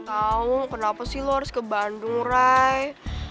tau kenapa sih lo harus ke bandung ray